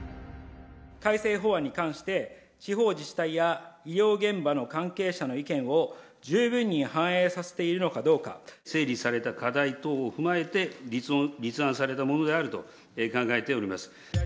改正法案に関して、地方自治体や医療現場の関係者の意見を十分に反映させているのか整理された課題等を踏まえて、立案されたものであると考えております。